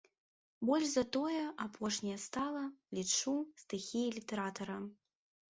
Больш за тое, апошняя стала, лічу, стыхіяй літаратара.